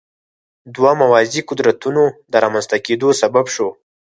دوه موازي قدرتونو د رامنځته کېدو سبب شو.